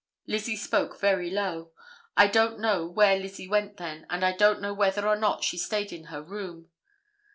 Lizzie spoke very low. I don't know where Lizzie went then, and I don't know whether or not she stayed in her room.